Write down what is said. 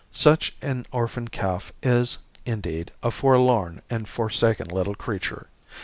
Such an orphan calf is, indeed, a forlorn and forsaken little creature.